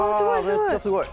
めっちゃすごい。